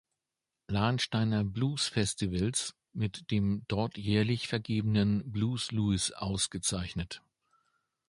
Lahnsteiner Bluesfestivals mit dem dort jährlich vergebenen "Blues-Louis" ausgezeichnet.